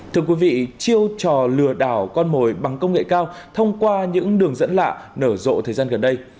thưa quý vị chiêu trò lừa đảo con mồi bằng công nghệ cao thông qua những đường dẫn lạ nở rộ thời gian gần đây